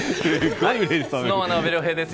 ＳｎｏｗＭａｎの阿部亮平です